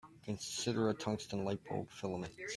Consider a tungsten light-bulb filament.